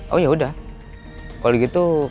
oh ya udah kalau gitu yaudah